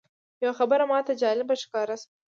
یوه خبره ماته جالبه ښکاره شوه.